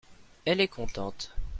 elles est contente.